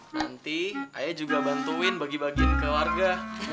nanti ayah juga bantuin bagi bagiin ke warga